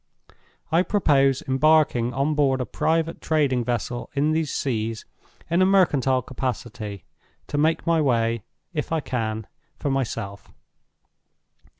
I propose embarking on board a private trading vessel in these seas in a mercantile capacity, to make my way, if I can, for myself.